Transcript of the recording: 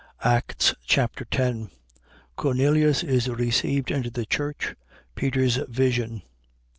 Acts Chapter 10 Cornelius is received into the church. Peter's vision.